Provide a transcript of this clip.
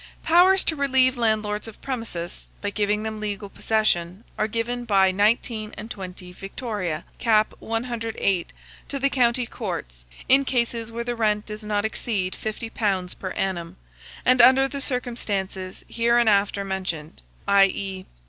Powers to relieve landlords of premises, by giving them legal possession, are given by 19 & 20 Vict., cap. 108, to the county courts, in cases where the rent does not exceed £50 per annum, and under the circumstances hereinafter mentioned; i.e.